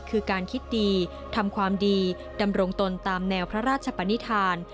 คือการคิดดีทำความดีดำรงตนตามแนวพระราชปนิษฐาน